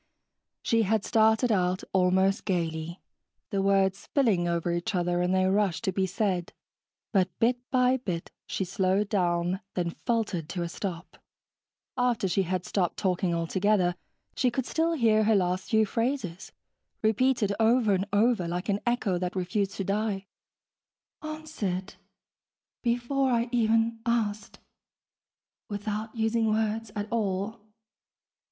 She had started out almost gaily, the words spilling over each other in their rush to be said, but bit by bit she slowed down, then faltered to a stop. After she had stopped talking altogether, she could still hear her last few phrases, repeated over and over, like an echo that refused to die. (Answered ... before I even asked ... without using words at all